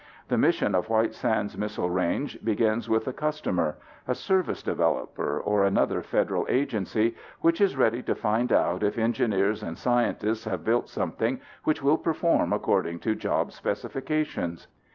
The mission of White Sands Missile Range begins with a customer a service developer, or another federal agency, which is ready to find out if engineers and scientists have built something which will perform according to job specifications.